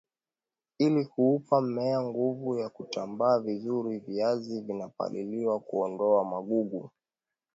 ili kuupa mmea nguvu ya kutambaa vizur viazi vinapaliliwa kuondoa magugu